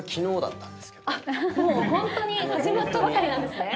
もうホントに始まったばかりなんですね。